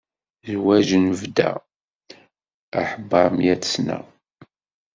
Zwaǧ n bda, aḥebbeṛ meyyat sna.